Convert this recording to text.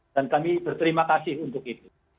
dan kami berterima kasih untuk itu